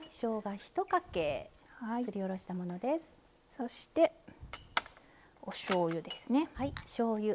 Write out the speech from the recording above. そしておしょうゆですね。